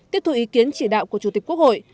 tiếp thu ý kiến chỉ đạo của chủ tịch quốc hội